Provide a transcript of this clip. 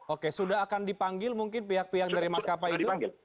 oke sudah akan dipanggil mungkin pihak pihak dari maskapai itu